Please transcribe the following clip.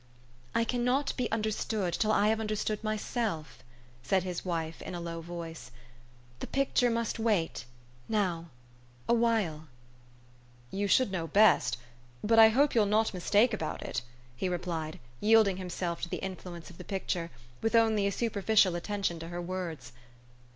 1 ' I cannot be understood till I have understood myself," said his wife in a low voice. " The picture must wait now a while .'' "You should know best; but I hope 3'ou'll not mistake about it," he replied, yielding himself to the influence of the picture, with only a superficial attention to her words.